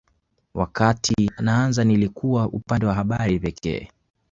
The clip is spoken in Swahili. Wakati naanza nilikuwa upande wa habari pekee